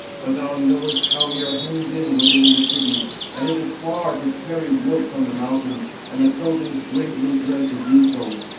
For thou knowest how we are hemmed in within the city, and it is far to carry wood from the mountain; and the Trojans greatly dread [to do so].